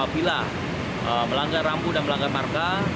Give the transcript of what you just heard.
apabila melanggar rambu dan melanggar parka